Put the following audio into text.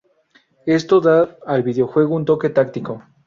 Esto da al videojuego un toque táctico.